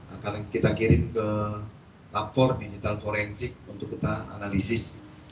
akan kita kirim ke lapor digital forensik untuk kita analisis